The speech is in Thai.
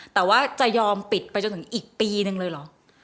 แต่ว่าจะยอมปิดไปจนถึงอีกปีนึงเลยเหรอ